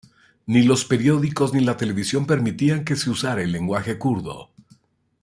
Ni los periódicos ni la televisión permitían que se usara el lenguaje kurdo.